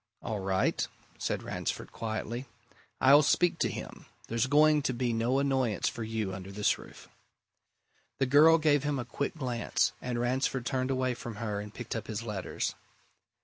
"All right," said Ransford quietly. "I'll speak to him. There's going to be no annoyance for you under this roof." The girl gave him a quick glance, and Ransford turned away from her and picked up his letters.